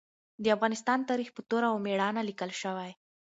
د افغانستان تاریخ په توره او مېړانه لیکل شوی.